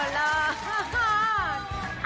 อ๋อเล่า